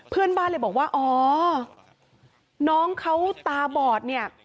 เพื่อนบ้านเลยบอกว่าอ๋อน้องเขาตาบอดเนี่ย